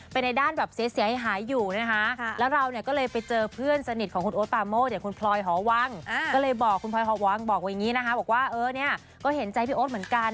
เป็นในด้านแบบเสียเสียให้หายอยู่นะคะแล้วเราเนี้ยก็เลยไปเจอเพื่อนสนิทของคุณโอ๊ตปลาโมด